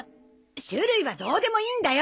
種類はどうでもいいんだよ。